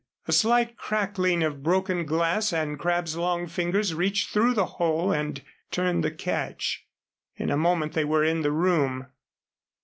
A slight crackling of broken glass, and Crabb's long fingers reached through the hole and turned the catch. In a moment they were in the room.